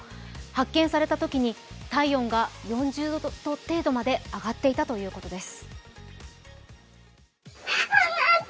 発見されたときに体温が４０度程度まで上がっていたということです。